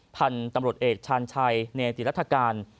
พันธุ์ตำรวจเอกชาญชัยเนติรัฐกาล